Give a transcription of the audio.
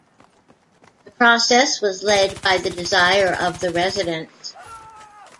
The process was led by the desire of the residents.